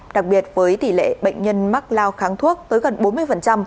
đặc biệt với tỷ lệ bệnh nhân mắc lao kháng thuốc tới gần bốn mươi